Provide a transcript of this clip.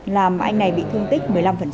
làm anh này bị thương tích một mươi năm